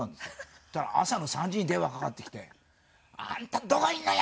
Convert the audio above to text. そしたら朝の３時に電話かかってきて「あんたどこにいるのよ！